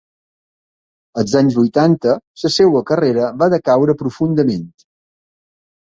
Als anys vuitanta la seva carrera va decaure profundament.